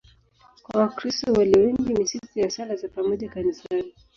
Kwa Wakristo walio wengi ni siku ya sala za pamoja kanisani.